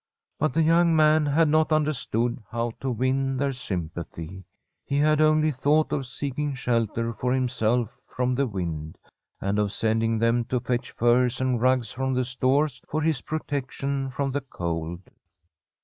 But the young man had not understood how to win their sympathy. He had only thought of seeking shelter for himself from the wind, and of sending them to fetch furs and rugs from the stores for his protection from the cold.